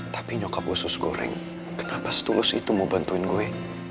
tapi nyokap khusus goreng kenapa setulus itu mau bantuin gue